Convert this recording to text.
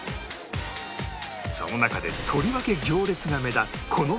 その中でとりわけ行列が目立つこの店